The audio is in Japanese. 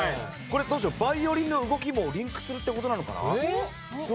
バイオリンの動きもリンクするってことなのかな。